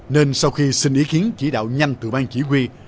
nên sau khi xin ý kiến chỉ đạo nhanh từ bang chỉ huy